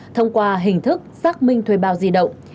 thông qua hình thức xác minh thuê bao di động